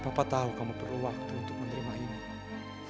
bapak tahu kamu perlu waktu untuk menerima ini